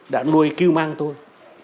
đã nuôi cư mang tôi